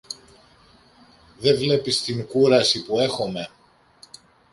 Δε βλέπεις την κούραση που έχομε.